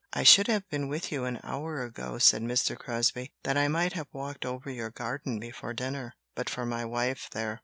"I should have been with you an hour ago," said Mr. Crosbie, "that I might have walked over your garden before dinner, but for my wife there."